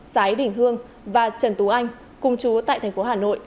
sái đình hương và trần tú anh cùng chú tại tp hà nội